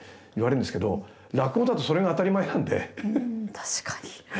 確かに。